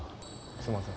すいません。